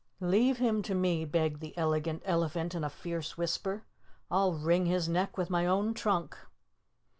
"Leave him to me," begged the Elegant Elephant in a fierce whisper. "I'll wring his neck with my own trunk."